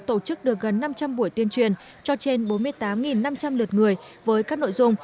tổ chức được gần năm trăm linh buổi tuyên truyền cho trên bốn mươi tám năm trăm linh lượt người với các nội dung